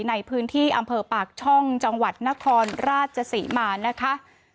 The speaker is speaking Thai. ในพื้นที่อำเภอปากช่องจังหวัดนครราชศรีมานะคะ